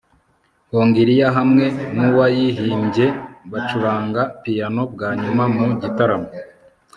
hongiriya hamwe nuwayihimbye bacuranga piyano bwa nyuma mu gitaramo